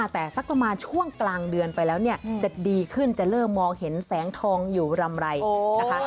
แต่สักประมาณช่วงกลางเดือนไปแล้วเนี่ยจะดีขึ้นจะเริ่มมองเห็นแสงทองอยู่รำไรนะคะ